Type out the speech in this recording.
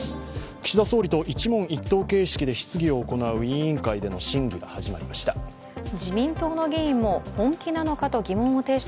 岸田総理と１問１答形式で質疑を行う委員会での審議が始まりました。